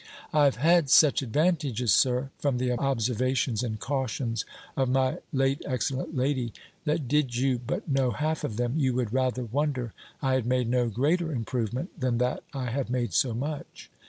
"I have had such advantages, Sir, from the observations and cautions of my late excellent lady, that did you but know half of them, you would rather wonder I had made no greater improvement, than that I have made _so much.